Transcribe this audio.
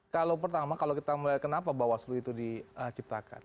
kalau pertama kalau kita melihat kenapa bawaslu itu diciptakan